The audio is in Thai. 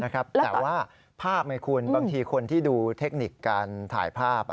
แต่ว่าภาพไงคุณบางทีคนที่ดูเทคนิคการถ่ายภาพ